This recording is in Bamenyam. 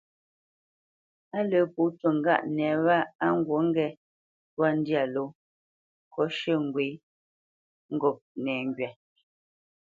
A lə́ pó cû ŋgâʼ nɛ wâ á ŋgǔt ŋgê ntwá ndyâ ló kot shʉ̂ ŋgwě ŋgop nɛŋgywa,